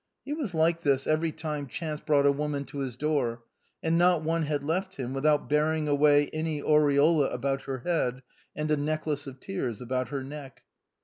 He was like this every time chance brought a woman to his door, and not one had left him without bearing away an aureola about her head and a necklace of tears about her neck.